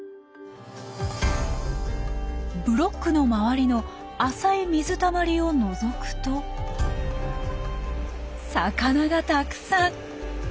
ブロックの周りの浅い水たまりをのぞくと魚がたくさん。